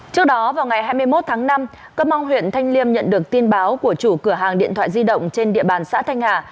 trước đó vào ngày hai mươi một tháng năm công an huyện thanh liêm nhận được tin báo của chủ cửa hàng điện thoại di động trên địa bàn xã thanh hà